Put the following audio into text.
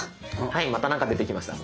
はいまた何か出てきました。